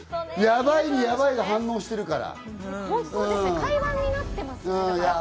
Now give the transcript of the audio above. ヤバいにヤバいが反応してるから。